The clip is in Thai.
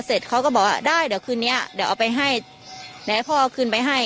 พอเสร็จเขาก็บอกว่าได้เดี๋ยวคืนนี้อ่ะเดี๋ยวเอาไปให้ไหนพอขึ้นไปให้